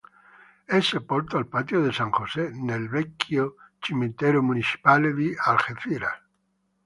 È sepolto al Patio de San José, nel vecchio cimitero municipale di Algeciras.